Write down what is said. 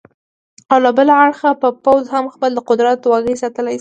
او له بله اړخه به پوځ هم خپل د قدرت واګې وساتلې شي.